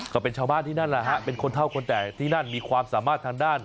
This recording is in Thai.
ก็เป็นชาวบ้านที่นั่นแหละฮะเป็นคนเท่าคนแต่ที่นั่นมีความสามารถทางด้าน